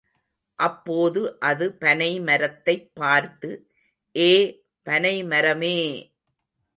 அப்போது அது பனைமரத்தைப் பார்த்து, ஏ—பனைமரமே!